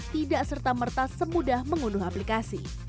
tidak serta merta semudah mengunduh aplikasi